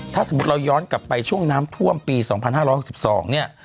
ถ้าสมมุติเราย้อนกลับไปช่วงน้ำท่วมปี๒๕๖๒เนี่ย